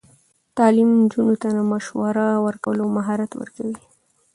تعلیم نجونو ته د مشاوره ورکولو مهارت ورکوي.